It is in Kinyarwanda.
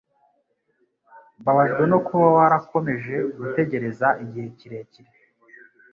Mbabajwe no kuba warakomeje gutegereza igihe kirekire.